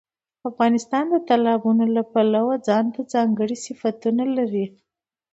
افغانستان د تالابونو له پلوه ځانته ځانګړي صفتونه لري.